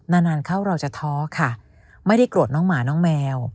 นานนานเข้าเราจะท้อค่ะไม่ได้โกรธน้องหมาน้องแมว